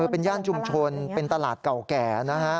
เป็นย่านชุมชนเป็นตลาดเก่าแก่นะฮะ